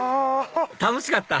楽しかった？